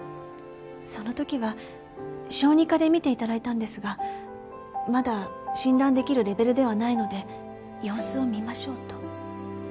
その時は小児科で診て頂いたんですがまだ診断できるレベルではないので様子を見ましょうと。